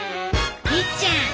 いっちゃん